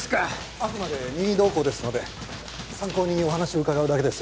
あくまで任意同行ですので参考にお話を伺うだけです。